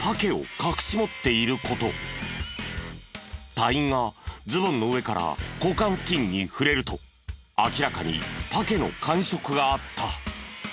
隊員がズボンの上から股間付近に触れると明らかにパケの感触があった。